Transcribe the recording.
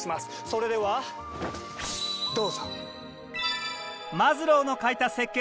それではどうぞ。